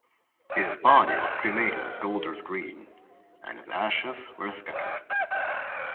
His body was cremated at Golders Green and his ashes were scattered.